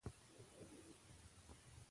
اجمل خټک لومړۍ شعري ټولګه د غیرت چغه نومېده.